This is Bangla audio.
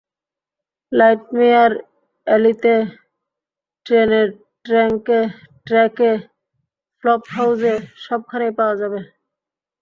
নাইটমেয়ার অ্যালিতে, ট্রেনের ট্র্যাকে, ফ্লপহাউজে, সবখানেই পাওয়া যাবে।